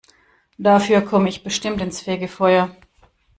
Dafür komme ich bestimmt ins Fegefeuer.